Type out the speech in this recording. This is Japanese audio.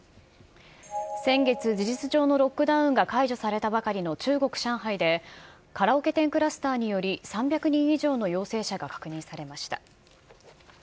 先月、事実上のロックダウンが解除されたばかりの中国・上海で、カラオケ店クラスターにより、３００人以上の陽性者が確認されました。